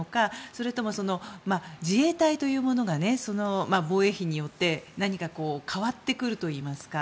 それとも、自衛隊というものが防衛費によって何か変わってくるといいますか。